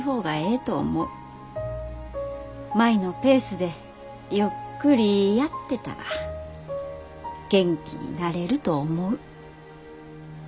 舞のペースでゆっくりやってたら元気になれると思う。